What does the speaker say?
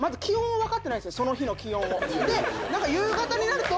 その日の気温を。